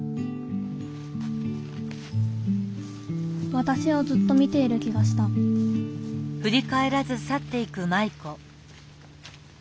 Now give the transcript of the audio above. わたしをずっと見ている気がした見て！